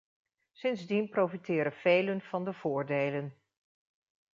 Sindsdien profiteren velen van de voordelen.